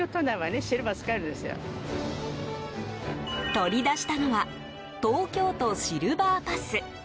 取り出したのは東京都シルバーパス。